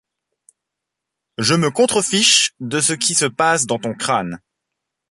Je me contrefiche de ce qui se passe dans ton crâne.